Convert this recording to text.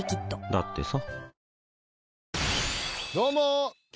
だってさ